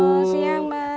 selamat siang mas